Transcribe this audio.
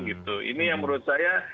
ini yang menurut saya